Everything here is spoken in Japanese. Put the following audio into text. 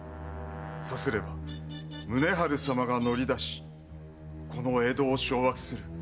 さすれば宗春様が乗りだしこの江戸を掌握する。